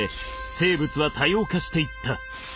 生物は多様化していった。